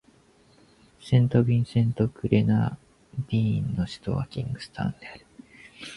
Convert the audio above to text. セントビンセント・グレナディーンの首都はキングスタウンである